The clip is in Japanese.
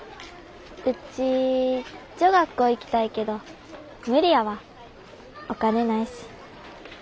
ウチ女学校行きたいけど無理やわお金ないし。